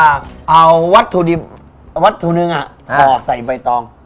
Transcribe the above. มบประมาณถึงวัสดุหนึ่งบอกใส่ใบตอง